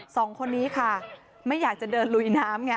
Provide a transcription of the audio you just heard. สองคนนี้ค่ะไม่อยากจะเดินลุยน้ำไง